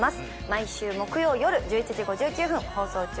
毎週木曜夜１１時５９分放送中です。